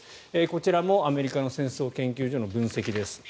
こちらもアメリカの戦争研究所の分析です。